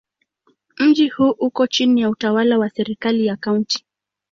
Mji huu uko chini ya utawala wa serikali ya Kaunti.